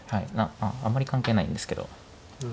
あんまり関係ないんですけど。